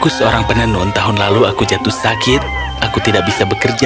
sang putri s